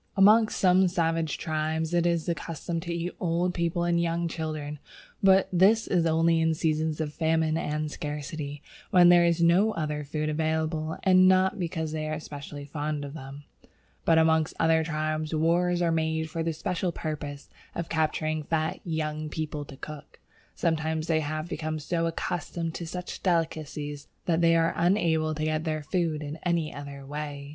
Amongst some savage tribes it is the custom to eat old people and young children; but this is only in seasons of famine and scarcity, when there is no other food available, and not because they are specially fond of them. But amongst other tribes wars are made for the special purpose of capturing fat young people to cook. Sometimes they have become so accustomed to such delicacies that they are unable to get their food in any other way.